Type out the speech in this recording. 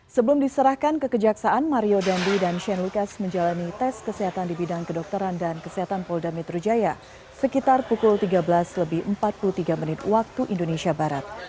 sebelum diserahkan kekejaksaan mario dandi dan shane lucas menjalani tes kesehatan di bidang kedokteran dan kesehatan polda metro jaya sekitar pukul tiga belas lebih empat puluh tiga menit waktu indonesia barat